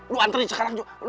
lu anterin sekarang